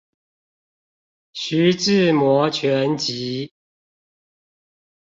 徐志摩全集